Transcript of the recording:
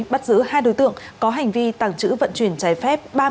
bắt giữ hai đối tượng có hành vi tàng trữ vận chuyển trái phép